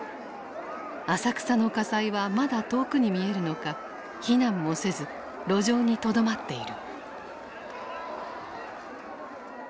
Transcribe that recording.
浅草の火災はまだ遠くに見えるのか避難もせず路上にとどまっている。